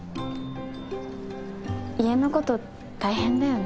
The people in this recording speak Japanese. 家のこと大変だよね？